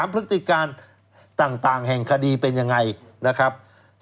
พฤติการต่างแห่งคดีเป็นยังไงนะครับ